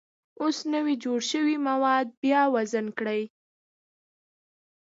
اوس نوي جوړ شوي مواد بیا وزن کړئ.